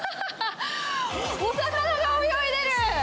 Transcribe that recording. お魚が泳いでる！